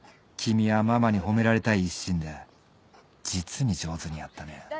君はママに褒められたい一心で実に上手にやったね。